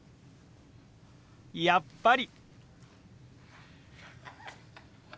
やっぱり！